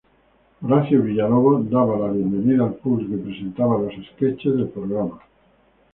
Horacio Villalobos daba la bienvenida al público y presentaba los sketches del programa.